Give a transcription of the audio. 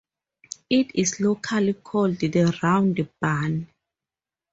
It is locally called "the round barn".